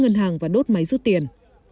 ngân hàng và đốt máy rút tiền